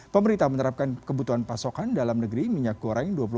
pemerintah menerapkan kebutuhan pasokan dalam negeri minyak goreng